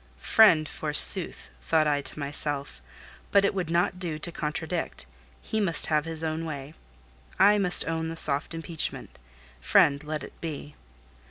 "Friend, forsooth!" thought I to myself: but it would not do to contradict; he must have his own way; I must own the soft impeachment: friend let it be.